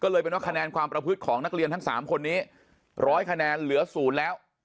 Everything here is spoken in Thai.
เลยเป็นว่าคะแนนความประพฤติของนักเรียนทั้ง๓คนนี้๑๐๐คะแนนเหลือ๐แล้ว